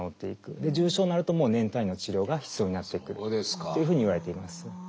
重症になると年単位の治療が必要になってくるというふうにいわれています。